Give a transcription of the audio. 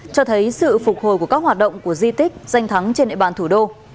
cho thấy sự phục hồi của các hoạt động của di tích giang thắng trên ệ bàn thủ đô